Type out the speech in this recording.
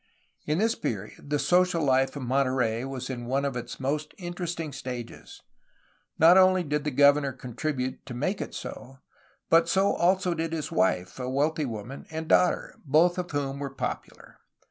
In this period the social life of Monterey was in one of its most interesting stages. Not only did the governor contribute to make it so, but so also did his wife (a wealthy woman) and daughter, both of whom were popular.